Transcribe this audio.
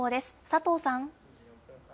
佐藤さん。